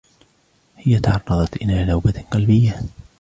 هي تعرضت إلي نوبة قلبية.